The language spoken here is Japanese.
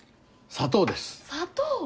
砂糖！